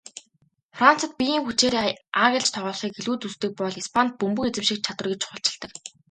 Францад биеийн хүчээр ааглаж тоглохыг илүүд үздэг бол Испанид бөмбөг эзэмших чадварыг чухалчилдаг.